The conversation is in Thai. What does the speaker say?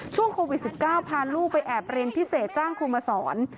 ช่วงโควิด๑๙พาลูกไปแอบเรียนพิเศษจ้างครูมาสอน